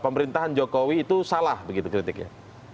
pemerintahan jokowi itu salah begitu kritiknya